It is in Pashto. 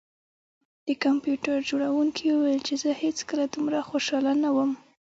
د کمپیوټر جوړونکي وویل چې زه هیڅکله دومره خوشحاله نه وم